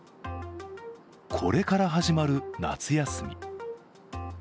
これから始まる夏休み。